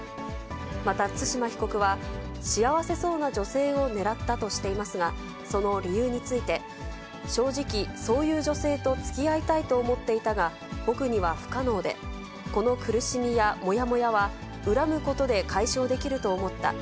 また対馬被告は、幸せそうな女性を狙ったとしていますが、その理由について、正直、そういう女性とつきあいたいと思っていたが、僕には不可能で、この苦しみやもやもやは、恨むことで解消できると思った。